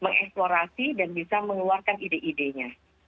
mengeksplorasi dan bisa mengeluarkan ide idenya